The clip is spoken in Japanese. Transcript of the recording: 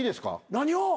何を？